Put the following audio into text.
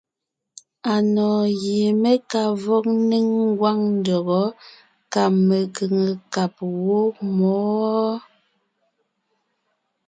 Anɔ̀ɔn gie mé ka vɔg ńnéŋ ngwáŋ ndÿɔgɔ́ kà mekʉ̀ŋekab wɔ́ɔ mǒ.